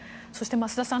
増田さん